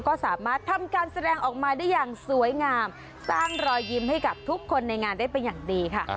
ก็สามารถทำการแสดงออกมาได้อย่างสวยงามสร้างรอยยิ้มให้กับทุกคนในงานได้เป็นอย่างดีค่ะ